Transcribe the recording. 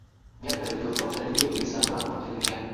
miaka iliyofuata redio ilisambaa kote duniani